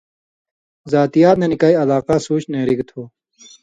ذاتیات نہ نِکئی علاقاں سُوچ نیرِگ تھو۔